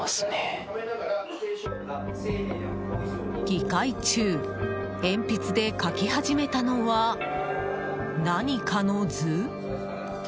議会中、鉛筆で書き始めたのは何かの図？